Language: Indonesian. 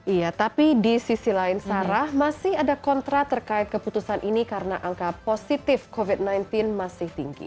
iya tapi di sisi lain sarah masih ada kontra terkait keputusan ini karena angka positif covid sembilan belas masih tinggi